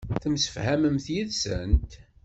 Temsefhamemt yid-sent.